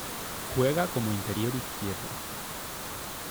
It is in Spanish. Juega como interior izquierdo.